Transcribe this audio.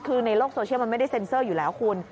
คือในโลกโซเชียลมันไม่ได้เซ็นเซอร์อยู่แล้วคุณ